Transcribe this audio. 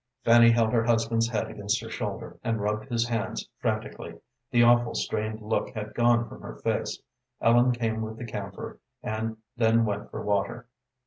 Fanny held her husband's head against her shoulder, and rubbed his hands frantically. The awful strained look had gone from her face. Ellen came with the camphor, and then went for water.